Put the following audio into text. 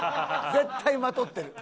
絶対まとってる。